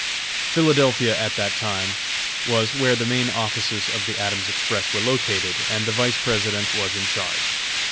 Philadelphia, at that time, was where the main offices of the Adams Express were located, and the Vice President was in charge.